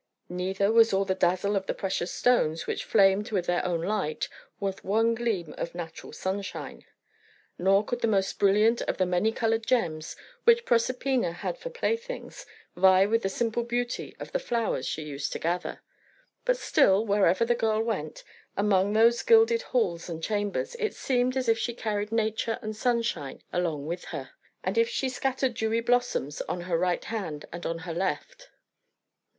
Neither was all the dazzle of the precious stones, which flamed with their own light, worth one gleam of natural sunshine; nor could the most brilliant of the many coloured gems, which Proserpina had for playthings, vie with the simple beauty of the flowers she used to gather. But still, wherever the girl went, among those gilded halls and chambers, it seemed as if she carried nature and sunshine along with her, and as if she scattered dewy blossoms on her right hand and on her left.